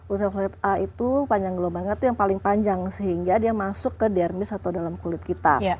usia kulit a itu panjang gelombangnya itu yang paling panjang sehingga dia masuk ke dermis atau dalam kulit kita